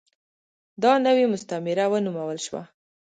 دا نوې مستعمره ونومول شوه.